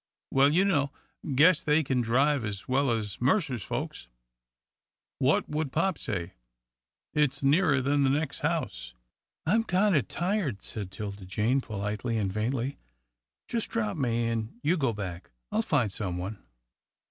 "Well, you know " "Guess they kin drive as well as Mercer's folks." "What would pop say?" "It's nearer than the nex' house." "I'm kind o' tired," said 'Tilda Jane, politely and faintly. "Just drop me, an' you go back. I'll find some one."